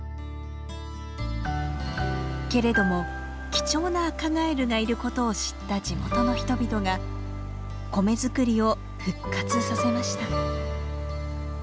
けれども貴重なアカガエルがいることを知った地元の人々が米作りを復活させました。